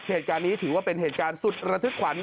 เหตุการณ์นี้ถือว่าเป็นเหตุการณ์สุดระทึกขวัญ